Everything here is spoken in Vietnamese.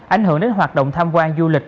ảnh hưởng đến hoạt động tham quan du lịch